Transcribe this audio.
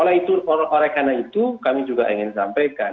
oleh karena itu kami juga ingin sampaikan